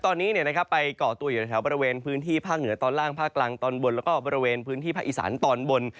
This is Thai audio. ตอนนี้ไปก่อตัวอยู่ในแถวบริเวณพื้นที่ภาคเหนือตอนล่างภาคกลางตอนบนแล้วก็บริเวณพื้นที่ภาคอีสานตอนบน